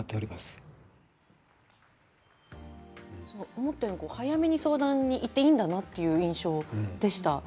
思ったより早めに相談に行っていいんだなという印象でした。